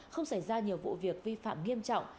không xảy ra nhiều vụ việc vi phạm nghiêm trọng